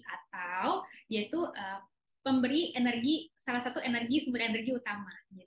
atau yaitu pemberi salah satu energi sebagai energi utama